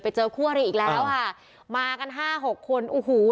ไปเจอคั่วหลีอีกแล้วค่ะมากันห้าหกคนอูหู